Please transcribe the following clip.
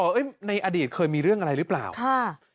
เอ้ยในอดีตเคยมีเรื่องอะไรหรือเปล่าค่ะ